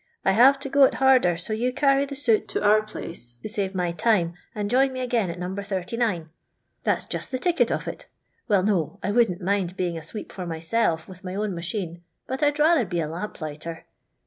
I have to go it harder, so you carry the soot to our place to save my time, and join me again at No. 89.' That's just the ticket of it Well, no; I wouldn't mind being a sweep for myself with my own machine ; but I 'd rather be a lamp lighter.